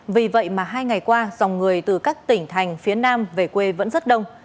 vì vậy mà hai ngày qua dòng người từ các tỉnh thành phía nam về quê vẫn rất đông